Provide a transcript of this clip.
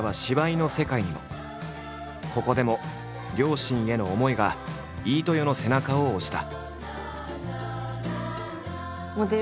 ここでも両親への思いが飯豊の背中を押した。